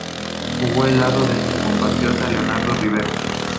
Jugó al lado de su compatriota Leonardo Rivero.